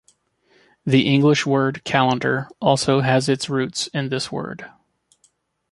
The English word "Calendar" also has its root in this word.